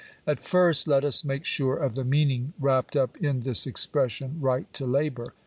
And first let us make sure of the meaning wrapped up in this expression — right to labour.